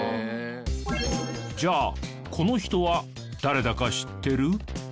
じゃあこの人は誰だか知ってる？